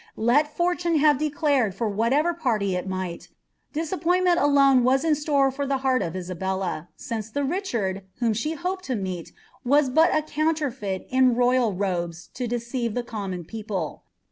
Let fortune have declared fur wluitcvsr ptrtyil might, disappoiiiiinent alone was in store for the heart of l^wlk, ma the Ricltanl, whom she hoped to meet, was but a counterfeit ia nml robes to deceive the common people.